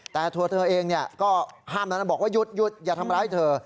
แต่ตัวเธอเองก็ห้ามแล้วนะบอกว่าหยุดอย่าทำร้ายเธอ